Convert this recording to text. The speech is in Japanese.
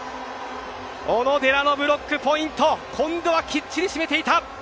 小野寺のブロックポイント今度はきっちり締めていた。